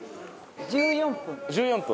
１４分。